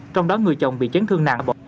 trong đó người chồng bị chấn thương nặng